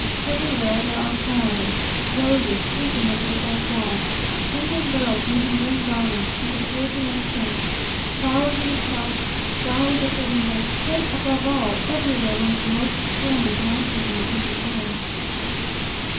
Everywhere there are flowers roses creeping over the old walls, Indian girls making green garlands for the virgin and saints, flowers in the shops, flowers at the windows, but, above all, everywhere one of the most splendid mountain views in the world.